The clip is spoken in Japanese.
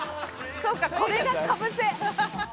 そうか、これがかぶせ。